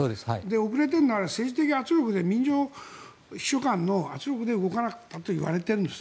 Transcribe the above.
遅れているのは、政治的圧力で民情秘書官の圧力で動かなかったといわれてるんです。